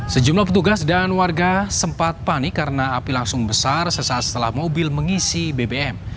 sejumlah petugas dan warga sempat panik karena api langsung besar sesaat setelah mobil mengisi bbm